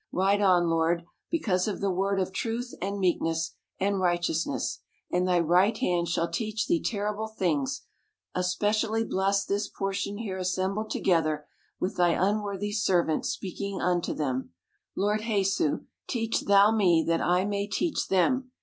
Ride on. Lord, because of the word of truth, and meekness, and righteousness ; and thy right hand shall teach thee terrible things. — Especially, bless this portion here assembled together, with thy unworthy servant speaking unto them. Lord Jesu, teach thou me, that I may teach them.